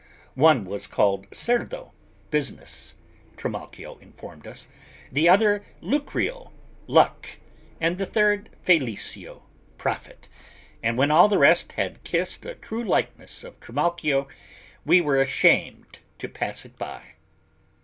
One was called Cerdo business , Trimalchio informed us, the other Lucrio luck and the third Felicio profit and, when all the rest had kissed a true likeness of Trimalchio, we were ashamed to pass it by.